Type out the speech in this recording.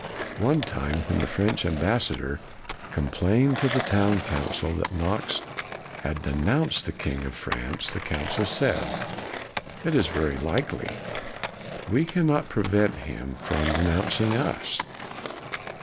One time when the French am bassador complained to the Town Council KNOX 143 that Knox had denounced the king of France, the Council said, " It is very likely. We cannot prevent him from de nouncing us.'